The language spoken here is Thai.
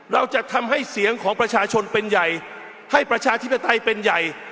เราจะทำให้เสียงของประชาชนเป็นใหญ่ให้ประชาธิปไตยเป็นใหญ่